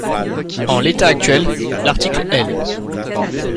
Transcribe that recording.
En l’état actuel, l’article L.